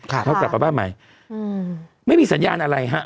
แล้วก็กลับมาบ้านใหม่ไม่มีสัญญาณอะไร